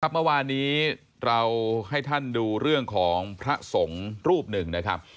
เมื่อวานนี้เราให้ท่านดูเรื่องของพระสงฆ์รูปหนึ่งนะครับ